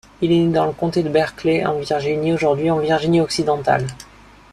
Il est né dans le comté de Berkeley, en Virginie, aujourd'hui en Virginie-Occidentale.